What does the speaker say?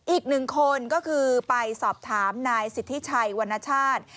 อีกหนึ่งคนก็คือไปสอบถามนายสิทธิชัยวรรณชาติ